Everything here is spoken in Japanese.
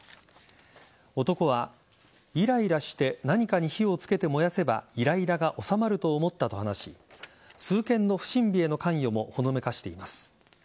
男は、イライラして何かに火をつけて燃やせばイライラが収まると思ったと話し数件の不審火への関与もほのめかしています。